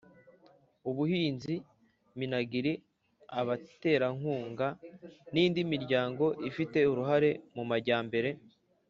ubuhinzi minagri abaterankunga n’indi miryango ifite uruhare mu majyambere